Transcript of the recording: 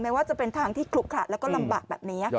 ว่าจะเป็นทางที่ขลุกขลัดแล้วก็ลำบากแบบนี้